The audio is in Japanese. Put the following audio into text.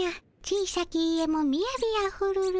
小さき家もみやびあふるる」。